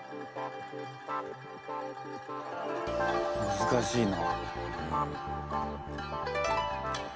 難しいな。